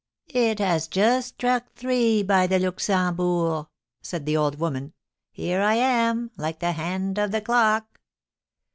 "It has just struck three by the Luxembourg," said the old woman. "Here I am, like the hand of the clock."